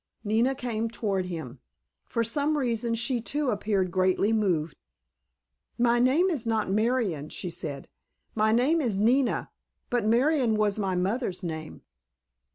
Nina came toward him. For some reason she too appeared greatly moved. "My name is not Marion," she said; "my name is Nina, but Marion was my mother's name."